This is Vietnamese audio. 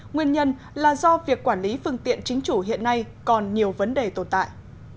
nguyên nhân là do việc quản lý phương tiện chính chủ hiện nay còn nhiều vấn đề tồn tại